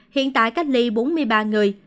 hiện tại cách ly bốn mươi ba người